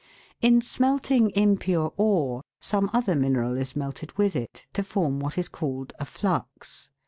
In smelting impure ore some other mineral is melted with it, to form what is called a flux.